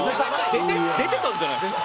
出てたんじゃないですか？